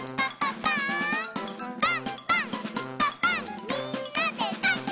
「パンパンんパパンみんなでパン！」